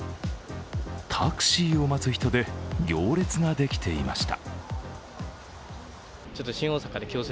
タクシーを待つ人で行列ができていました。